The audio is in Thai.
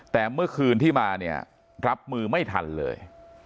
แต่เมื่อคืนที่มาเนี่ยรับมือไม่ทันเลย